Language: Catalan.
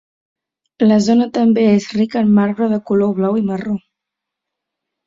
La zona també és rica en marbre de color blau i marró.